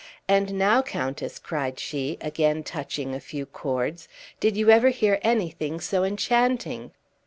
And now, countess," cried she, again touching a few chords, "did you ever hear anything so enchanting?"